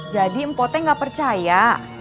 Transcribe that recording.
jadi mpok t gak percaya